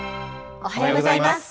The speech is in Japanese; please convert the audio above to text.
おはようございます。